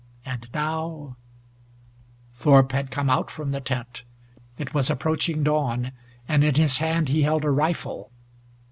And now Thorpe had come out from the tent. It was approaching dawn, and in his hand he held a rifle.